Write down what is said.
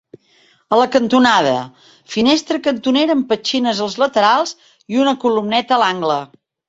A la cantonada, finestra cantonera amb petxines als laterals i una columneta a l'angle.